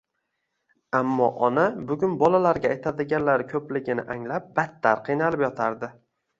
Ammo ona bugun bolalariga aytadiganlari ko‘pligini anglab, battar qiynalib yotardi